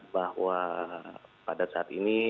bahwa pada saat ini